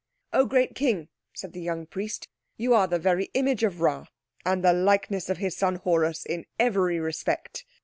"Oh, great King," said the young priest, "you are the very image of Rā, and the likeness of his son Horus in every respect.